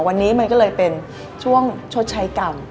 วันนี้มันก็เลยเป็นช่วงชดใช้กรรม